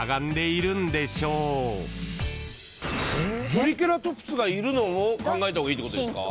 トリケラトプスがいるのも考えた方がいいってことですか？